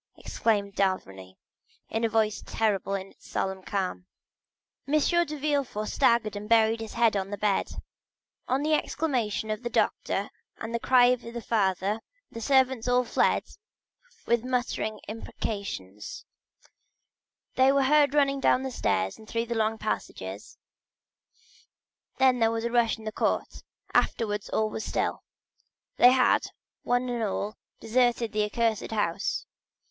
replied d'Avrigny, in a voice terrible in its solemn calmness. 50085m M. de Villefort staggered and buried his head in the bed. On the exclamation of the doctor and the cry of the father, the servants all fled with muttered imprecations; they were heard running down the stairs and through the long passages, then there was a rush in the court, afterwards all was still; they had, one and all, deserted the accursed house.